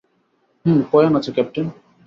হুম, coin আছে, captain.